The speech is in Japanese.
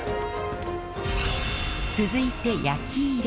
続いて焼き入れ。